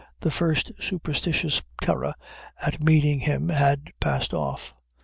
The first superstitious terror at meeting him had passed off.